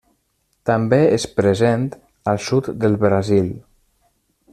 També és present al sud del Brasil.